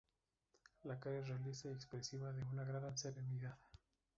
La cara es realista y expresiva, de una gran serenidad.